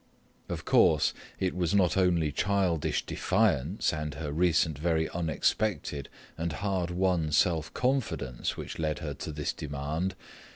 Of course, it was not only childish defiance and her recent very unexpected and hard won self confidence which led her to this demand.